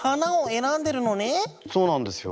そうなんですよ。